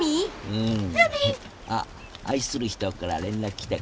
うん。あっ愛する人から連絡来たから切るよ。